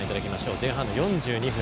前半の４２分。